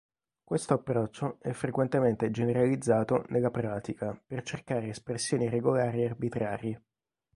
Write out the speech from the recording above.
Questo approccio è frequentemente generalizzato nella pratica per cercare espressioni regolari arbitrarie.